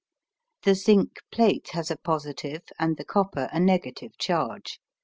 The zinc plate has a positive and the copper a negative charge.